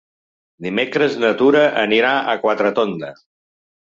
Dimecres na Tura anirà a Quatretonda.